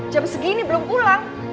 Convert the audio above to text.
jam segini belum pulang